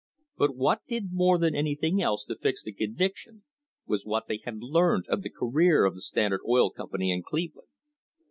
But what did more than anything else to fix the conviction was what they had learned of the career of the Standard Oil Company in Cleveland.